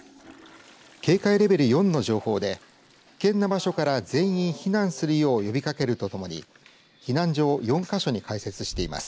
警戒レベル４の情報で危険な場所から全員避難するよう呼びかけるとともに避難所を４か所に開設しています。